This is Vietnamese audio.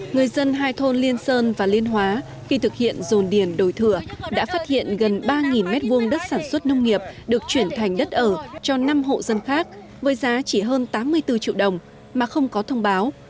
người dân hai thôn liên sơn và liên hóa khi thực hiện dồn điền đổi thửa đã phát hiện gần ba m hai đất sản xuất nông nghiệp được chuyển thành đất ở cho năm hộ dân khác với giá chỉ hơn tám mươi bốn triệu đồng mà không có thông báo